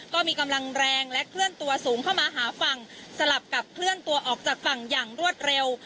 ก็มีกำลังแรงและเคลื่อนตัวสูงเข้ามาหาฝั่งสลับกับเคลื่อนตัวออกจากฝั่งอย่างรวดเร็ว